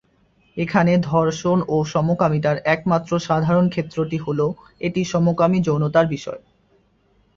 এখানে ধর্ষণ ও সমকামিতার একমাত্র সাধারণ ক্ষেত্রটি হল, এটি সমকামী যৌনতার বিষয়।